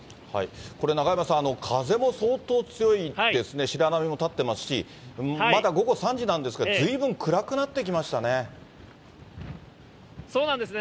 これ、中山さん、風も相当強いですね、白波も立ってますし、まだ午後３時なんですけれども、ずいぶん暗そうなんですね。